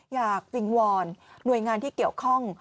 อยากวิ่งวอนนวยงานที่เกี่ยวข้อง